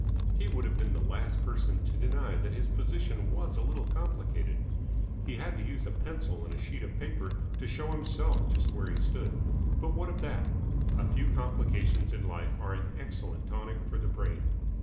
He would have been the last person to deny that his position was a little complicated he had to use a pencil and a sheet of paper to show himself just where he stood but what of that? A few complications in life are an excellent tonic for the brain.